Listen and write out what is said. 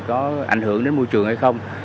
có ảnh hưởng đến môi trường hay không